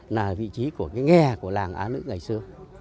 là vị trí của cái nghè của làng á nữ ngày xưa